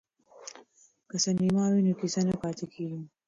که سینما وي نو کیسه نه پاتیږي.